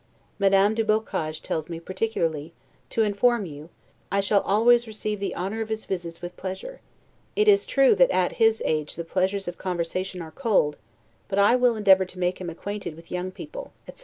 Madame du Boccage tells me, particularly, to inform you: "I shall always, receive the honor of his visits with pleasure; it is true, that at his age the pleasures of conversation are cold; but I will endeavor to make him acquainted with young people," etc.